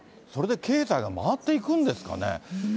それで経済が回っていくんですかね。